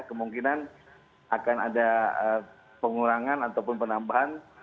kemungkinan akan ada pengurangan ataupun penambahan